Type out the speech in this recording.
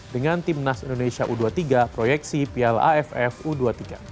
dengan timnas indonesia u dua puluh tiga proyeksi piala aff u dua puluh tiga